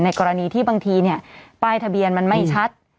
กรณีที่บางทีป้ายทะเบียนมันไม่ชัด